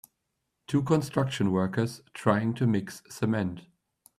Two construction workers trying to mix cement.